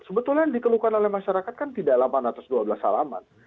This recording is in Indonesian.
sebetulnya yang dikeluhkan oleh masyarakat kan tidak delapan ratus dua belas salaman